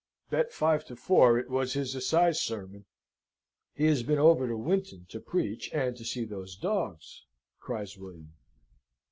"Bet five to four it was his Assize sermon. He has been over to Winton to preach, and to see those dogs," cries William.